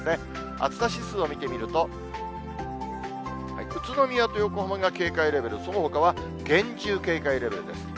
暑さ指数を見てみると、宇都宮と横浜が警戒レベル、そのほかは厳重警戒レベルです。